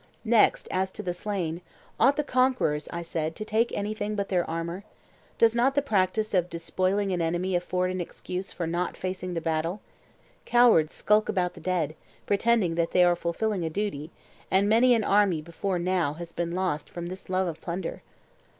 Next as to the slain; ought the conquerors, I said, to take anything but their armour? Does not the practice of despoiling an enemy afford an excuse for not facing the battle? Cowards skulk about the dead, pretending that they are fulfilling a duty, and many an army before now has been lost from this love of plunder.